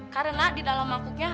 karena di dalam mangkuknya